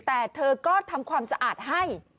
แต่เธอก็ทำความสะอาดให้